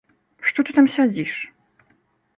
Што ты там сядзіш?